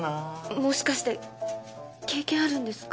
もしかして経験あるんですか？